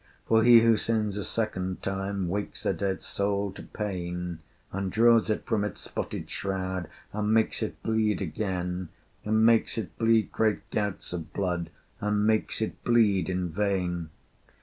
For he who sins a second time Wakes a dead soul to pain, And draws it from its spotted shroud, And makes it bleed again, And makes it bleed great gouts of blood And makes it bleed in vain!